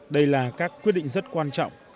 đây là các quyết định rất quan trọng